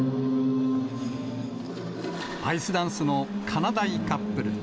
アイスダンスのかなだいカップル。